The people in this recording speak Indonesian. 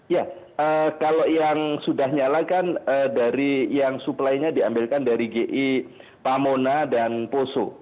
ya kalau yang sudah nyala kan dari yang suplainya diambilkan dari gi pamona dan poso